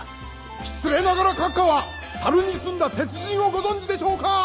失礼ながら閣下は樽に住んだ哲人をご存じでしょうか